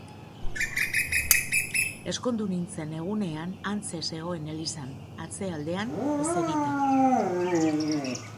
Ezkondu nintzen egunean, hantxe zegoen elizan, atzealdean eserita.